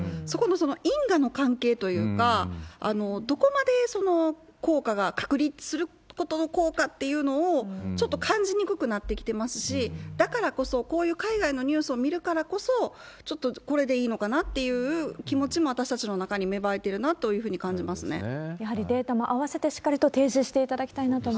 そこのその因果の関係というか、どこまで効果が、隔離することの効果っていうのをちょっと感じにくくなってきてますし、だからこそ、こういう海外のニュースを見るからこそ、ちょっとこれでいいのかなっていう気持ちも、私たちの中に芽生えてるなというふうに感じますね。